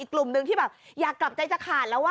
กลุ่มหนึ่งที่แบบอยากกลับใจจะขาดแล้ว